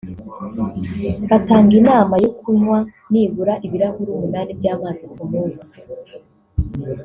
Batanga inama yo kunywa nibura ibirahure umunani by’amazi ku munsi